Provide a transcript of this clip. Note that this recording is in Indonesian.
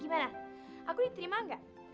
gimana aku diterima gak